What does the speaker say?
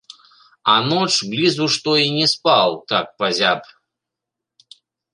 А ноч блізу што і не спаў так пазяб.